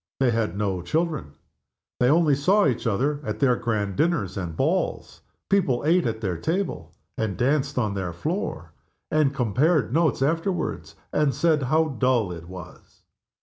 They had no children. They only saw each other at their grand dinners and balls. People ate at their table, and danced on their floor, and compared notes afterward, and said how dull it was.